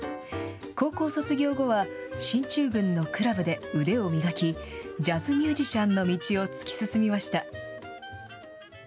高校卒業後は進駐軍のクラブで腕を磨き、ジャズミュージシャンの道を突き進みました。